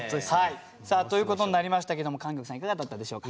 さあということになりましたけども莟玉さんいかがだったでしょうか？